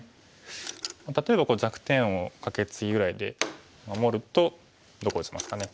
例えば弱点をカケツギぐらいで守るとどこ打ちますかね。